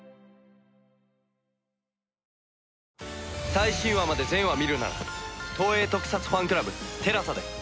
最新話まで全話見るなら東映特撮ファンクラブＴＥＬＡＳＡで。